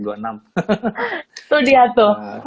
tuh dia tuh